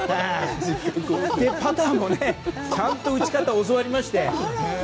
パターもちゃんと打ち方を教わりまして。